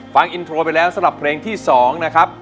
ฟังอินโทรไปแล้วสำหรับเพลงที่๒นะครับ